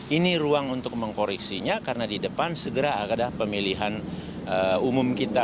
ini ruang untuk mengkoreksinya karena di depan segera ada pemilihan umum kita